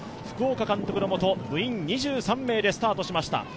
福岡監督のもと、部員２３名でスタートしました。